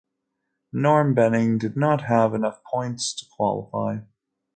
Norm Benning did not have enough points to qualify.